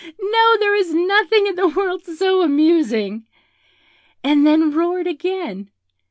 "No, there is nothing in the world so amusing!" and then roared again.